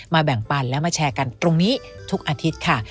แบ่งปันและมาแชร์กันตรงนี้ทุกอาทิตย์ค่ะ